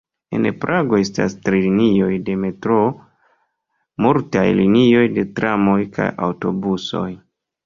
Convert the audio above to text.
En Prago estas tri linioj de metroo, multaj linioj de tramoj kaj aŭtobusoj.